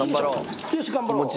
よし頑張ろう。